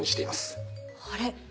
あれ？